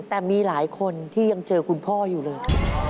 แต่มีหลายคนที่ยังเจอคุณพ่ออยู่เลย